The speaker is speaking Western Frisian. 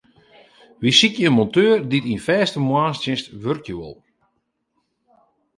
Wy sykje in monteur dy't yn fêste moarnstsjinst wurkje wol.